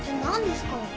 何ですか？